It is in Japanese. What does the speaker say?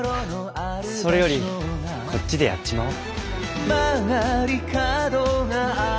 それよりこっちでやっちまおう。